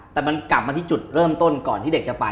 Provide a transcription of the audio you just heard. แต่มันกลับมาที่จุดเริ่มต้นก่อนที่เด็กจะไป